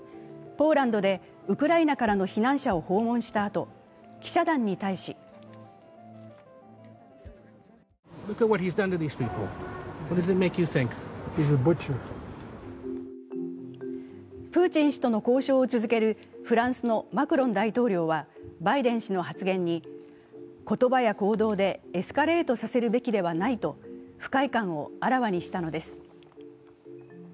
ポーランドでウクライナからの避難者を訪問したあと、記者団に対しプーチン氏との交渉を続けるフランスのマクロン大統領は、バイデン氏の発言に、言葉や行動でエスカレートさせるべきではないと不快感をあらわにしたのです。